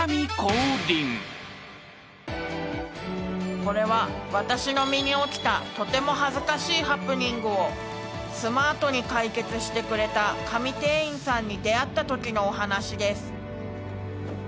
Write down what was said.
［これは私の身に起きたとても恥ずかしいハプニングをスマートに解決してくれた神店員さんに出会ったときのお話です］